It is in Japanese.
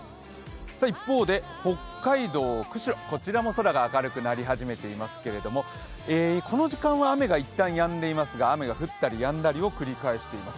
一方で北海道・釧路、こちらも空が明るくなり始めていますけれどもこの時間は雨が一旦やんでいますが雨が降ったりやんだりを繰り返しています。